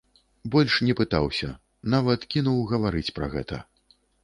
Больш не пытаўся, нават кінуў гаварыць пра гэта.